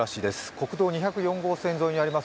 国道２４０号線沿いにあります